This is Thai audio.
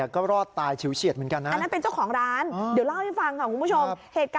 ก็รอดตายฉิวเฉียดเหมือนกันนะ